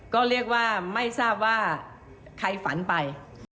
ก็เรียกว่าไม่ทราบว่าใครฝันไป